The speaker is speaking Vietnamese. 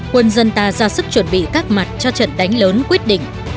quân dân ta ra sức chuẩn bị các mặt cho trận đánh lớn quyết định